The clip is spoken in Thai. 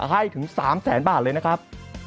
ให้ถึง๓แสนบาทเลยนะครับ